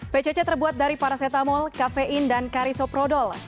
pcc terbuat dari paracetamol kafein dan karisoprodol